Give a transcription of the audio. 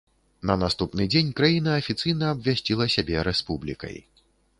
На наступны дзень краіна афіцыйна абвясціла сябе рэспублікай.